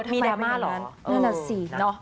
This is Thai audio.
มีแดมมาเหรอนั่นแหละสิ